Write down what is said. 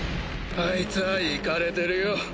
あいつはイカレてるよ。